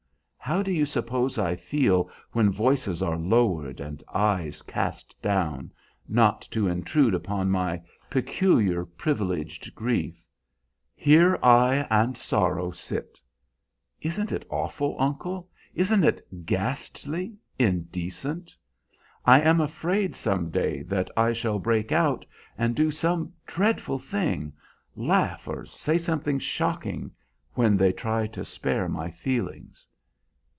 How do you suppose I feel when voices are lowered and eyes cast down, not to intrude upon my 'peculiar, privileged grief? 'Here I and Sorrow sit!' Isn't it awful, uncle? Isn't it ghastly, indecent? I am afraid some day I shall break out and do some dreadful thing, laugh or say something shocking, when they try to spare my feelings.